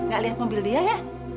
gak lihat mobil dia ya